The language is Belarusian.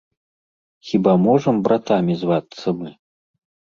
Хіба можам братамі звацца мы?